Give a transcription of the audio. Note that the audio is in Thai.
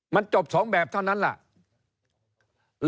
มันจบ๒แบบเท่านั้นแหละ